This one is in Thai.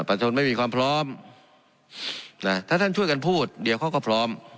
ชนไม่มีความพร้อมนะถ้าท่านช่วยกันพูดเดี๋ยวเขาก็พร้อม